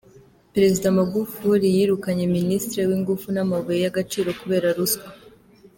Perezida Magufuli yirukanye Minisitiri w’ ingufu n’ amabuye y’ agaciro kubera ruswa.